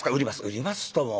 売りますとも。